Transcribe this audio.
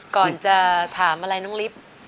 ก่อนจะถามอะไรน้องลิฟต์